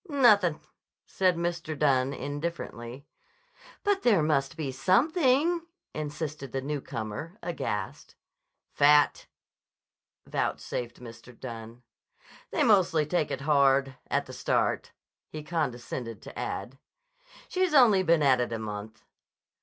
"Nothin'," said Mr. Dunne indifferently. "But there must be something," insisted the newcomer aghast. "Fat," vouchsafed Mr. Dunne. "They mostly take it hard—at the start," he condescended to add. "She's only been at it a month."